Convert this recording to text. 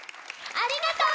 ありがとう！